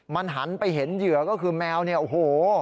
มันหันไปเห็นเหยื่อก็คือแมวเนี่ยโอ้โห